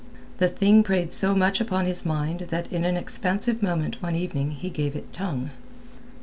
The thing preyed so much upon his mind that in an expansive moment one evening he gave it tongue.